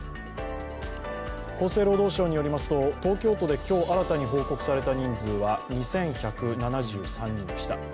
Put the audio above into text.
厚生労働省によりますと東京都で今日、新たに発表された人数は２１７３人でした。